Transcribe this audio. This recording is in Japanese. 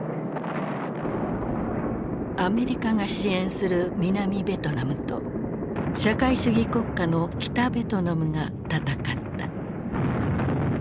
アメリカが支援する南ベトナムと社会主義国家の北ベトナムが戦った。